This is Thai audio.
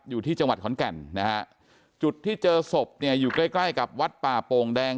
อยู่ที่จังหวัดขอนแก่นนะฮะจุดที่เจอศพเนี่ยอยู่ใกล้ใกล้กับวัดป่าโป่งแดง